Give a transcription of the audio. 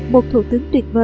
một thủ tướng tuyệt vời